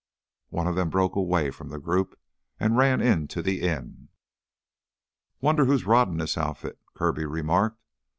One of them broke away from the group, and ran into the inn. "Wonder who's roddin' this outfit," Kirby remarked.